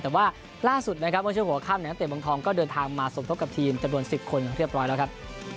แต่ว่าล่าสุดนะครับเมื่อช่วงหัวค่ำนักเตะเมืองทองก็เดินทางมาสมทบกับทีมจำนวน๑๐คนเรียบร้อยแล้วครับ